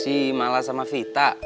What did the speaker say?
si malah sama vita